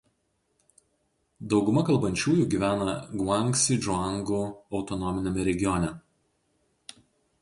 Dauguma kalbančiųjų gyvena Guangsi džuangų autonominiame regione.